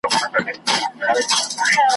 په خزان او په بهار کي بیرته تله دي ,